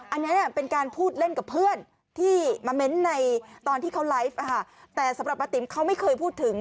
อันนี้เป็นการพูดเล่นกับเพื่อนที่มาเม้นต์ในตอนที่เขาไลฟ์แต่สำหรับป้าติ๋มเขาไม่เคยพูดถึง